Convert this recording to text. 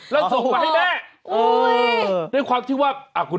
แล้วส่งมาให้แม่